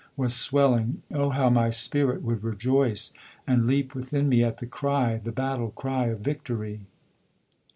was swelling (O! how my spirit would rejoice, And leap within me at the cry) The battle cry of Victory!